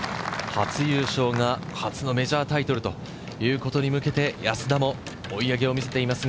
初優勝が初のメジャータイトルということに向けて、安田も追い上げを見せています。